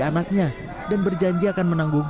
anaknya dan berjanji akan menanggung